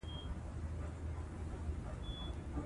ژوند دخپل په خوښه وکړئ